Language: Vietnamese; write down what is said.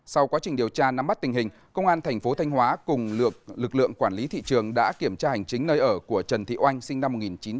sau quá trình điều tra nắm bắt tình hình công an thành phố thanh hóa cùng lực lượng quản lý thị trường đã kiểm tra hành chính nơi ở của trần thị oanh sinh năm một nghìn chín trăm tám mươi